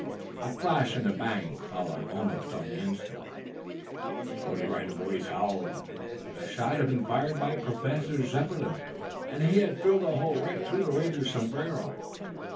A flash and a bang followed almost on the instant. The Pony Rider Boys howled. The shot had been fired by Professor Zepplin and he had drilled a hole right through the Ranger's sombrero.